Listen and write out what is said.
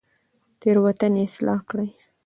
تېروتنې اصلاح کړئ.